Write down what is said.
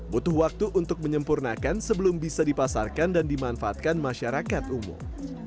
butuh waktu untuk menyempurnakan sebelum bisa dipasarkan dan dimanfaatkan masyarakat umum